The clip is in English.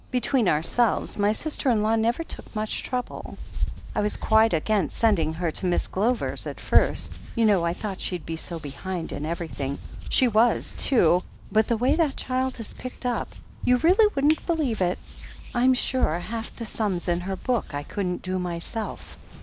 Between ourselves, my sister in law never took much trouble ... I was quite against sending her to Miss Glover's at first — ^you know, I thought she'd be so behind in everything. So she was, too, but the way that child has picked up ! You really wouldn't believe it — I'm sure half the sums in her book I couldn't do myself.